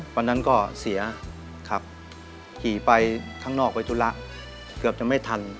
วันนั้นก็เสียขับขี่ไปข้างนอกไปธุระเกือบจะไม่ทัน